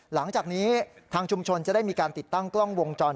หลังจากนี้ทางชุมชนจะได้มีการติดตั้งกล้องวงจร